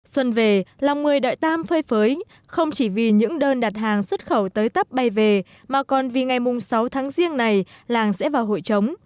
xuân về lòng người đợi tam phơi phới không chỉ vì những đơn đặt hàng xuất khẩu tới tấp bay về mà còn vì ngày sáu tháng riêng này làng sẽ vào hội chống